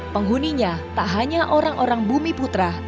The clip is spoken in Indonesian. penghuninya tak hanya orang orang bumi putra